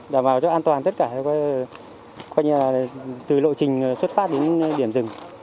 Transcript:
đảm bảo cho an toàn tất cả từ lộ trình xuất phát đến điểm rừng